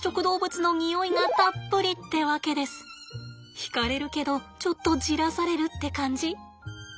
引かれるけどちょっとじらされるって感じ？